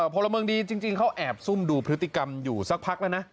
พลเมืองดีจริงเขาแอบซุ่มดูพฤติกรรมอยู่สักพักแล้วนะ